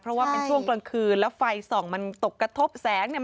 เพราะว่าเป็นช่วงกลางคืนแล้วไฟส่องมันตกกระทบแสงเนี่ย